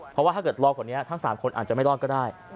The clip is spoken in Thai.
เพราะว่าถ้าเกิดรอกว่านี้ทั้ง๓คนอาจจะไม่รอดก็ได้